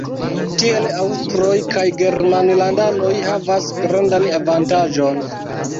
Tiel aŭstroj kaj germanlandanoj havas grandan avantaĝon.